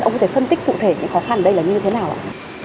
ông có thể phân tích cụ thể những khó khăn ở đây là như thế nào ạ